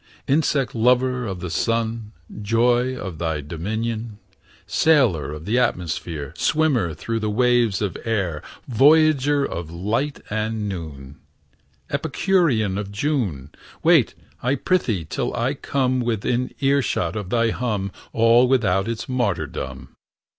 Insect lover of the sun, Joy of thy dominion! Sailor of the atmosphere; Swimmer through the waves of air; Voyager of light and noon; Epicurean of June; Wait, I prithee, till I come Within earshot of thy hum, All without is martyrdom.